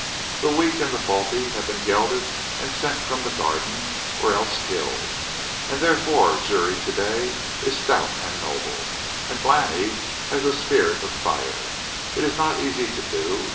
The weak and the faulty have been gelded and sent from the Garden or else killed. And therefore Juri to day is stout and noble, and Glani has a spirit of fire. It is not easy to do.